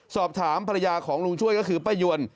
สอบถามภรรยาของลุงช่วยก็คือป้ายวน